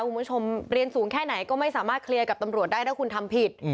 คุณผู้ชมเรียนสูงแค่ไหนก็ไม่สามารถเคลียร์กับตำรวจได้ถ้าคุณทำผิด